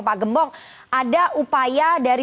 pak gembong ada upaya dari